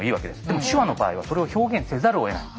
でも手話の場合はそれを表現せざるをえない。